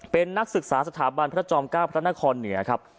เป็นนักศึกษาสถาบันพระจอม๙พระนครเหนือครับ